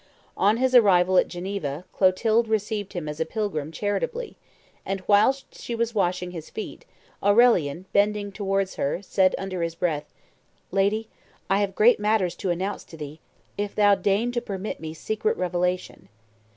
On his arrival at Geneva, Clotilde received him as a pilgrim charitably, and, whilst she was washing his feet, Aurelian, bending towards her, said under his breath, 'Lady, I have great matters to announce to thee if thou deign to permit me secret revelation.